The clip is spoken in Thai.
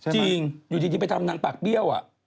จริงอยู่ดีไปทำนางปากเบี้ยว